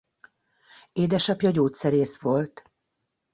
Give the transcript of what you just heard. Édesapja gyógyszerész volt.